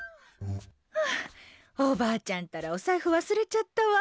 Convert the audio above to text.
はあ、おばあちゃんったらお財布忘れちゃったわ。